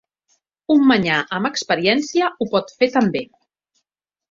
Un manyà amb experiència ho pot fer també.